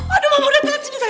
aduh mama udah telat sini sayang